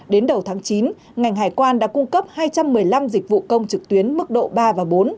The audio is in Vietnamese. đến đầu tháng chín ngành hải quan đã cung cấp hai trăm một mươi năm dịch vụ công trực tuyến mức độ ba và bốn